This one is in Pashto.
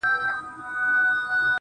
o زه يې د نوم تر يوه ټكي صدقه نه سومه.